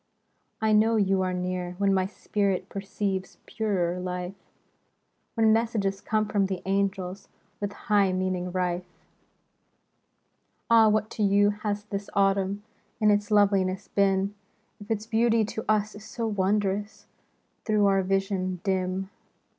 I know you are near, when my spirit Perceives purer life ; When messages come from the angels With high meaning rife. Ah, what to you has this Autumn In its loveliness been. If its beauty to us is so wondrous Through our vision dim ?